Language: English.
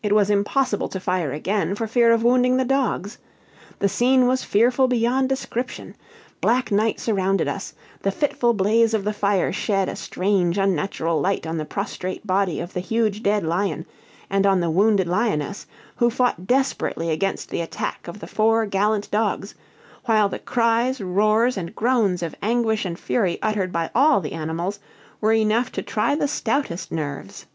It was impossible to fire again, for fear of wounding the dogs. The scene was fearful beyond description. Black night surrounded us; the fitful blaze of the fire shed a strange, unnatural light on the prostrate body of the huge dead lion, and on the wounded lioness, who fought desperately against the attack of the four gallant dogs; while the cries, roars, and groans of anguish and fury uttered by all the animals were enough to try the stoutest nerves.